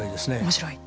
面白い？